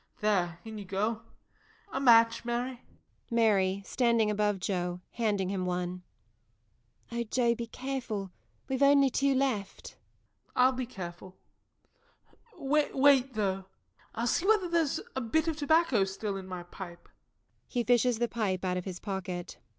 There, in you go! A match, Mary? MARY. [Standing above JOE, handing him one.] Ok Joe, be careful we've only two left! JOE. I'll be careful. Wait, though I'll see whether there's a bit of tobacco still in my pipe. [_He fishes the pipe out of his pocket.